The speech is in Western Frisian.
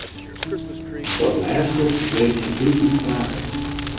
Dat lêste wreekt him hieltyd faker.